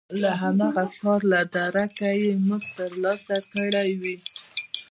د هماغه کار له درکه یې مزد ترلاسه کړی وي